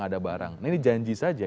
ada barang ini janji saja